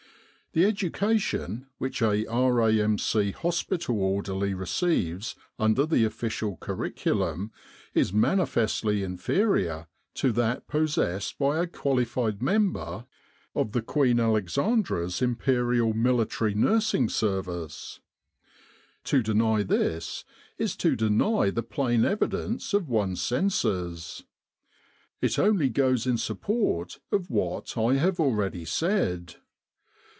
The education which a R.A.M.C. hospital orderly receives under the official curriculum is manifestly inferior to that possessed by a qualified member of the Q.A.I.M.N.S. To deny this is to deny the plain evidence of one's senses. It only goes in support of what I have already said.